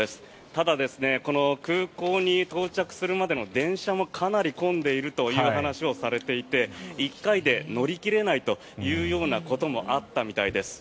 ただ、この空港に到着するまでの電車もかなり混んでいるという話をされていて１回で乗り切れないということもあったみたいです。